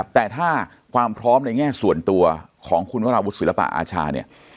แต่ถ้าความพร้อมในแง่ส่วนตัวของคุณวราวุฒิศิลปะอาชาเนี่ย